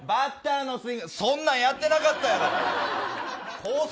そんなん、やってなかったよ。